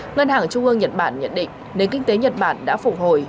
ngân hàng trung ương nhật bản nhận định nền kinh tế nhật bản đã phục hồi